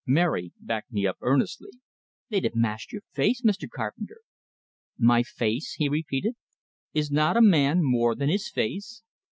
Mary backed me up earnestly. "They'd have mashed your face, Mr. Carpenter." "My face?" he repeated. "Is not a man more than his face?"